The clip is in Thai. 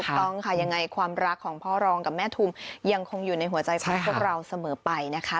ต้องค่ะยังไงความรักของพ่อรองกับแม่ทุมยังคงอยู่ในหัวใจของพวกเราเสมอไปนะคะ